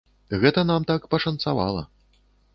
Гэта нам так пашанцавала.